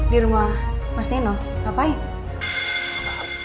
di rumah mas neno ngapain